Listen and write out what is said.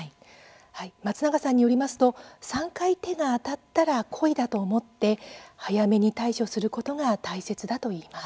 松永さんによりますと３回、手があたったら故意だと思って早めに対処することが大切だといいます。